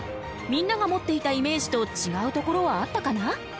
みんなが持っていたイメージとちがうところはあったかな？